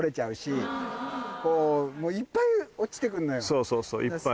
そうそうそういっぱい。